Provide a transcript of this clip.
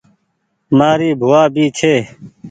مآري ڀووآ بي ڇي ۔